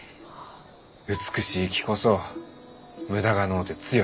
美しいきこそ無駄がのうて強い。